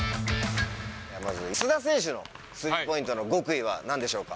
まず須田選手のスリーポイントの極意はなんでしょうか？